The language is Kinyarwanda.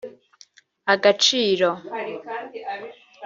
Agaciro